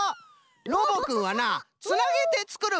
ロボくんはなつなげてつくる